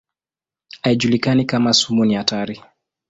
Haijulikani kama sumu ni hatari.